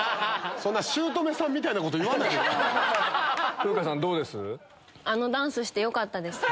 風花さんどうです？